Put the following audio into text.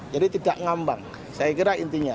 tidak ngambang saya kira intinya